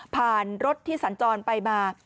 ผ่านรถที่สันจรไปมา